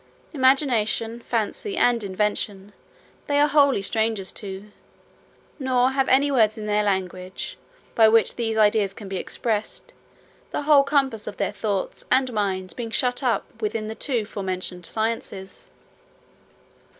Imagination, fancy, and invention, they are wholly strangers to, nor have any words in their language, by which those ideas can be expressed; the whole compass of their thoughts and mind being shut up within the two forementioned sciences.